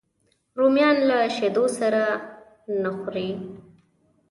رومیان له شیدو سره نه خوري